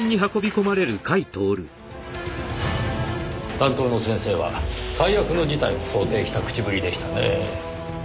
担当の先生は最悪の事態を想定した口ぶりでしたねぇ。